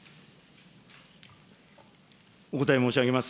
お答え申し上げます。